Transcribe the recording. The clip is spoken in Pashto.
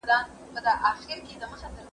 غم دې په غم باندې زياتېږي